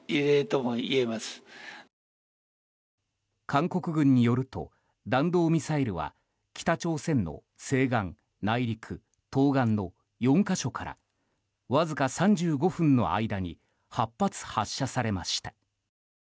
韓国軍によると弾道ミサイルは北朝鮮の西岸、内陸、東岸の４か所からわずか３５分の間に８発、発射されました。